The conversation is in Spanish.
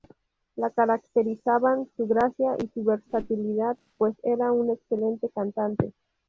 Lo caracterizaban su gracia y su versatilidad, pues era un excelente cantante.